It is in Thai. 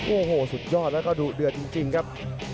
โอ้โหสุดยอดแล้วก็ดุเดือดจริงครับ